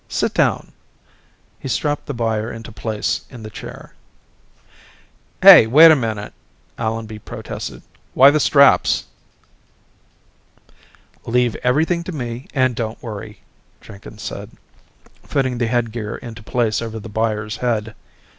"Sit down." He strapped the buyer into place in the chair. "Hey, wait a minute," Allenby protested. "Why the straps?" "Leave everything to me and don't worry," Jenkins said, fitting the headgear into place over the buyer's head.